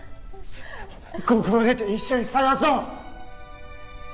ここを出て一緒に捜そう